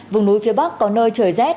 vùng núi phía bắc có nơi trời rét